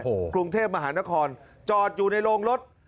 โอ้โหกรุงเทพมหานครจอดอยู่ในโรงรถ